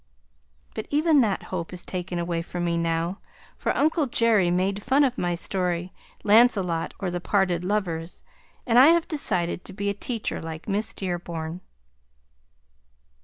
But even that hope is taken away from me now, for Uncle Jerry made fun of my story Lancelot Or The Parted Lovers and I have decided to be a teacher like Miss Dearborn.